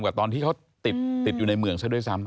กับตอนที่เขาติดอยู่ในเมืองซะด้วยซ้ำ